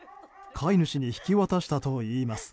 飼い主に引き渡したといいます。